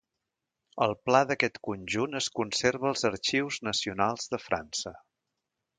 El pla d'aquest conjunt es conserva als Arxius Nacionals de França.